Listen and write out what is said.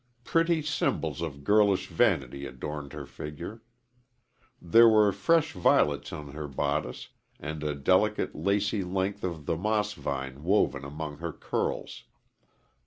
Pretty symbols of girlish vanity adorned her figure. There were fresh violets on her bodice, and a delicate, lacy length of the moss vine woven among her curls.